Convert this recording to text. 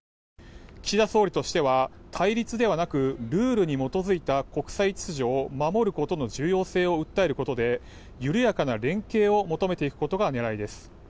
岸田総理としては対立ではなくルールに基づいた国際秩序を守ることの重要性を訴えることで緩やかな連携を求めていくことが狙いです。